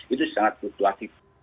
itu sangat fluktuatif